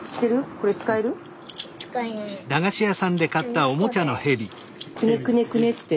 これくねくねくねって。